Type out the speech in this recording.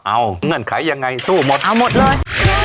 เอาเงื่อนไขยังไงสู้หมดเอาหมดเลย